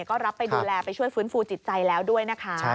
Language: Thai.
ก็รับไปดูแลไปช่วยฟื้นฟูจิตใจแล้วด้วยนะคะ